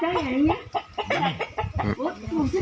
ต้องเงียบต้องเงียบ